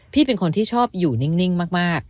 เป็นคนที่ชอบอยู่นิ่งมาก